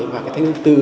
và cái thách thức thứ tư